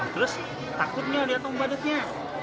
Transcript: terus takutnya lihat ngabuburitnya